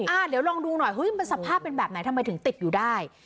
เดี๋ยวลองดูหน่อยเฮ้ยมันสภาพเป็นแบบไหนทำไมถึงติดอยู่ได้